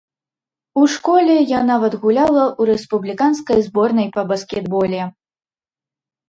У школе я нават гуляла ў рэспубліканскай зборнай па баскетболе.